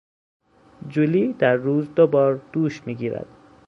جولی در روز دوبار دوش میگیرد.